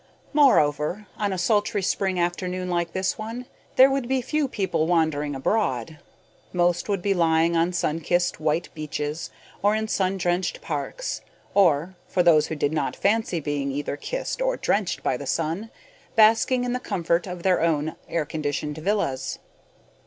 Moreover, on a sultry spring afternoon like this one, there would be few people wandering abroad. Most would be lying on sun kissed white beaches or in sun drenched parks, or, for those who did not fancy being either kissed or drenched by the sun, basking in the comfort of their own air conditioned villas.